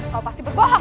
kau pasti berbohong